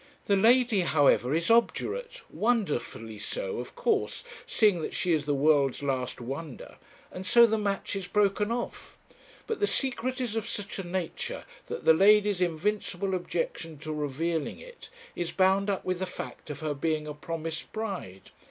'The lady, however, is obdurate, wonderfully so, of course, seeing that she is the world's last wonder, and so the match is broken off. But the secret is of such a nature that the lady's invincible objection to revealing it is bound up with the fact of her being a promised bride.'